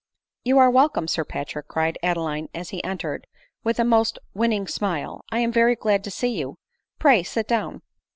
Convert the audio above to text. " You are welcome, Sir Patrick !" cried Adeline as he entered, with a most winning smile ;" I am very glad to see you — pray sit down."